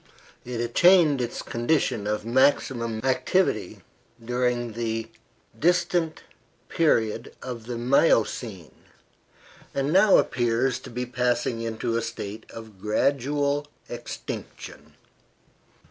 It attained its condition of maximum activity during the distant period of the Miocene, and now appears to be passing into a state of gradual extinction.